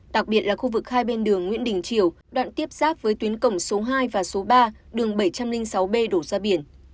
đặc biệt là khu vực hai bên đường nguyễn đình triều đoạn tiếp giáp với tuyến cổng số hai và số ba đường bảy trăm linh sáu b đổ ra biển